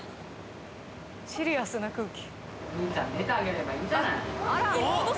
シリアスな空気。